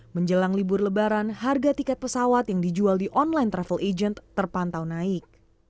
menjelang libur lebaran harga tiket pesawat yang dijual di online travel agent terpantau naik